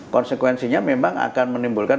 konsekuensinya memang akan menimbulkan